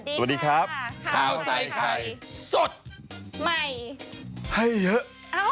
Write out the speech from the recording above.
สวัสดีครับข้าวใส่ไข่สดใหม่ให้เยอะ